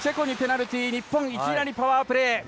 チェコにペナルティー日本、いきなりパワープレー。